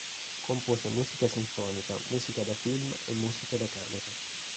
Compose musica sinfonica, musica da film e musica da camera.